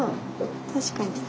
確かに。